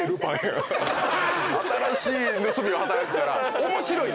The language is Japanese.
新しい盗みを働くから面白いんや。